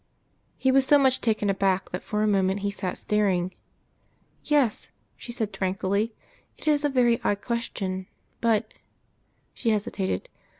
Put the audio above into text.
He was so much taken aback that for a moment he sat staring. "Yes," she said tranquilly, "it is a very odd question. But " she hesitated.